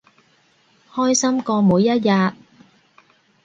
開心過每一日